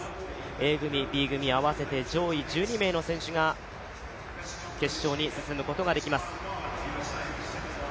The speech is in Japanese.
Ａ組、Ｂ組合わせて上位１２名の選手が決勝に進むことができます。